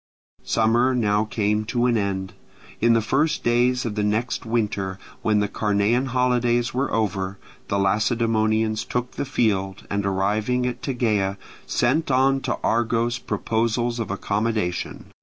Summer now came to an end. In the first days of the next winter, when the Carnean holidays were over, the Lacedaemonians took the field, and arriving at Tegea sent on to Argos proposals of accommodation.